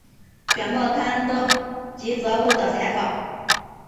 卷末刊登吉泽务的采访。